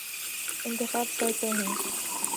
انتخابات سر پہ ہیں۔